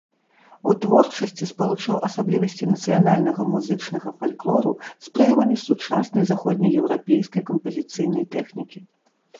У творчасці спалучаў асаблівасці нацыянальнага музычнага фальклору з прыёмамі сучаснай заходнееўрапейскай кампазіцыйнай тэхнікі.